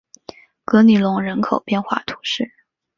格里隆人口变化图示